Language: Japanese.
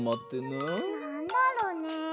なんだろうね？